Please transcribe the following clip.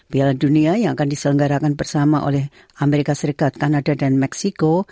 piala dunia yang akan diselenggarakan bersama oleh amerika serikat kanada dan meksiko